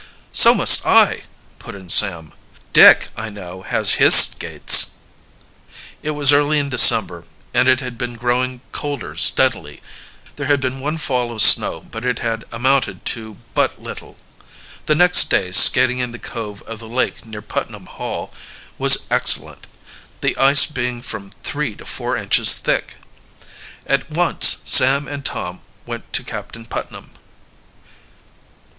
"So must I!" put in Sam. "Dick, I know, has his skates." It was early in December, and it had been growing colder steadily. There had been one fall of snow, but it had amounted to but little. The next day skating in the cove of the lake near Putnam Hall was excellent, the ice being from three to four inches thick. At once Sam and Tom went to Captain Putnam.